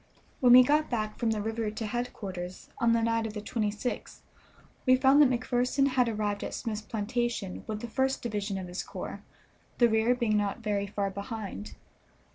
When we got back from the river to headquarters, on the night of the 26th, we found that McPherson had arrived at Smith's plantation with the first division of his corps, the rear being not very far behind.